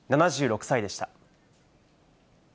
７６歳でした。